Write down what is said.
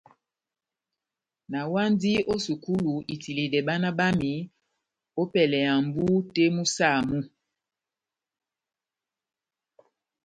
Nawandi ó sukulu itiledɛ bána bámi ópɛlɛ mʼbú tɛ́h mú saha-saha.